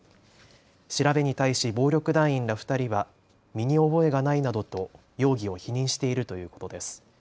調べに対し暴力団員ら２人は身に覚えがないなどと容疑を否認しているということです。